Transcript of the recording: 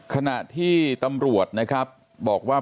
ขณะที่ตำรวจนะครับบอกว่า